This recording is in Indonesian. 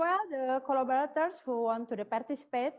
para kolaborator yang ingin bergabung